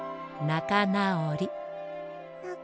「なかなおり」。